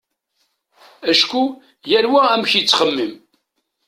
Acku yal wa amek yettxemmim.